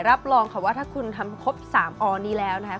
รับรองค่ะว่าถ้าคุณทำครบ๓อนี้แล้วนะคะ